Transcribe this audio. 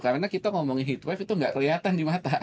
karena kita ngomongin heat wave itu nggak kelihatan di mata